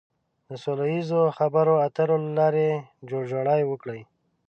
د سوله ييزو خبرو اترو له لارې جوړجاړی وکړي.